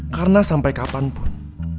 karena sampai kapan pun